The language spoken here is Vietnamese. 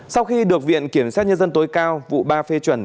sau khi được viện kiểm sát nhân dân tối cao vụ ba phê chuẩn